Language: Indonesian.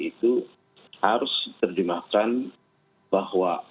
itu harus terdimahkan bahwa